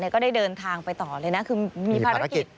ก็ได้เดินทางไปต่อเลยนะคือมีภารกิจ